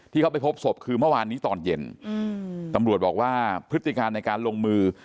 ที่เขาไปพบศพคือเมื่อวานนี้ตอนเย็นตำรวจบอกว่าพฤติการในการลงมือ